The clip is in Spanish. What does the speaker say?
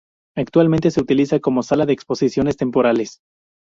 Actualmente se utiliza como sala de exposiciones temporales.